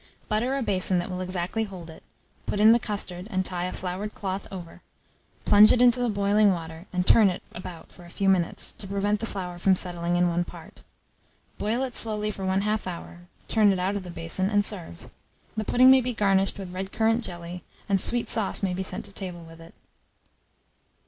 Butter a basin that will exactly hold it; put in the custard, and tie a floured cloth over; plunge it into boiling water, and turn it about for a few minutes, to prevent the flour from settling in one part. Boil it slowly for 1/2 hour; turn it out of the basin, and serve. The pudding may be garnished with red currant jelly, and sweet sauce may be sent to table with it.